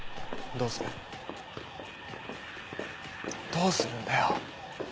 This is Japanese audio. どうするんだよ？